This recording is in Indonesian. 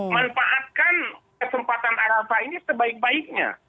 manfaatkan kesempatan arafah ini sebaik baiknya